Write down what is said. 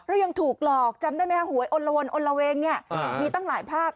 เรายังถูกหลอกจำได้ไหมฮะอ่ะโอนละวนอ่ะมีตั้งหลายภาค